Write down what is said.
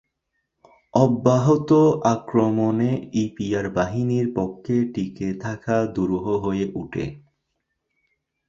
অব্যাহত আক্রমণে ইপিআর বাহিনীর পক্ষে টিকে থাকা দুরূহ হয়ে ওঠে।